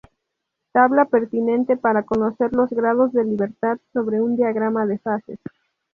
Tabla pertinente para conocer los grados de libertad sobre un diagrama de fases.